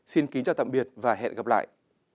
xin kính chào tạm biệt và hẹn gặp lại